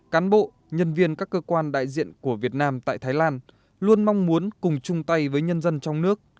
cán bộ nhân viên các cơ quan đại diện của việt nam tại thái lan luôn mong muốn cùng chung tay với nhân dân trong nước